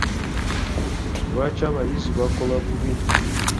Lwaki abayizi bakola bubi?